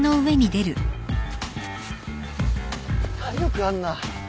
体力あんな。